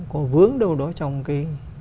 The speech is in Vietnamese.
có vướng đâu đó trong cái